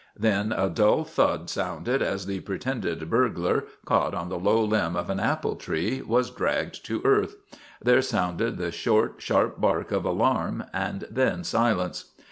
Then a dull thud sounded as the pretended burglar, caught on the low limb of an apple tree, was dragged to earth. There sounded the short, sharp bark of alarm and then silence.